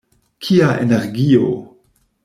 Kia energio!